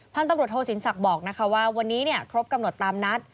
พันธมรถโทษศิลป์ศิลป์ศักดิ์บอกว่าวันนี้ครบกำหนดตามนัด